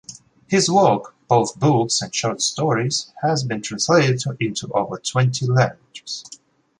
His work, both books and short stories, has been translated into over twenty languages.